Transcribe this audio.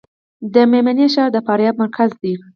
د میمنې ښار د فاریاب مرکز دی